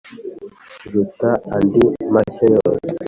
Ziruta andi mashyo yose.